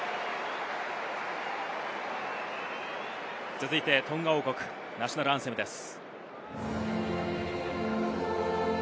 続いてトンガ王国、ナショナルアンセムです。